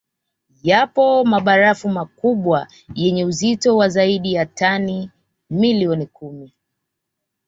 Yapo mabarafu makubwa yenye uzito wa zaidi ya tani milioni kumi